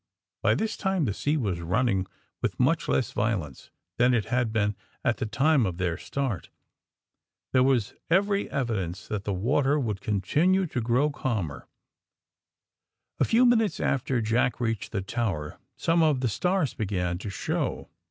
By this time the sea was running with much less violence than it had been at the time of their start. There was every evidence that the water would continue to grow calmer. A few minutes after Jack reached the tower some of the stars began to show.